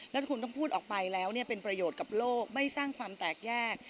แล้วถ้าคุณต้องพูดออกไปแล้วเป็นประโยชน์กับโลกไม่สร้างความแตกแยก